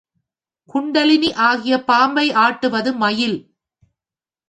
குண்டலினி ஆகிய பாம்பை ஆட்டுவது மயில்.